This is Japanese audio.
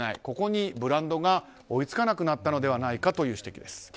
ここにブランドが追い付かなくなったのではないかという指摘です。